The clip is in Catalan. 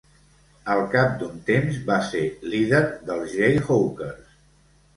Al cap d'un temps, va ser líder dels Jayhawkers.